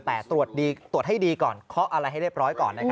แต่ตรวจให้ดีก่อนเคาะอะไรให้เรียบร้อยก่อน